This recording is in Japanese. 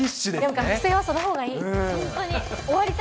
学生はそのほうがいい。